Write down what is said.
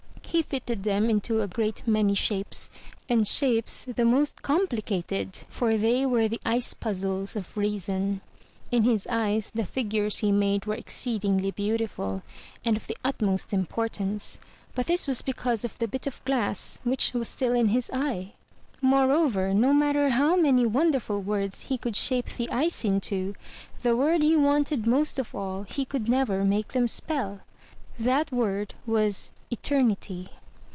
He fitted them into a great many shapes, and shapes the most complicated, for they were the "Ice Puzzles of Reason.*' In his eyes the figures he made were exceedingly beautiful, and of the utmost importance; but this was because of the bit of glass which was still in his eye. Moreover, no matter how many wonderful words he could shape 322 THROUGH FAIRY HALLS the ice into, the word he wanted most of all he could never make them spell — that word was ''Eternity."